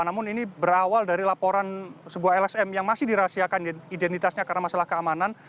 namun ini berawal dari laporan sebuah lsm yang masih dirahasiakan identitasnya karena masalah keamanan